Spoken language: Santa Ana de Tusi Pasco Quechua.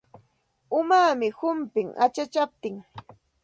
Umaami humpin achachaptin.